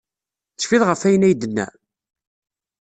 Tecfiḍ ɣef wayen ay d-tenna?